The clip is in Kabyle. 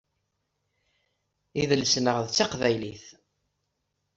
Idles-nneɣ d taqbaylit.